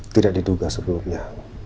tidak diduga sebelumnya